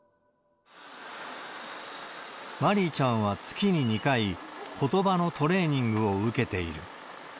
まりいちゃんは月に２回、ことばのトレーニングを受けている。